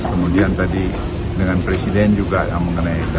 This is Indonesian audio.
kemudian tadi dengan presiden juga mengenai